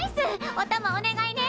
おたまお願いね。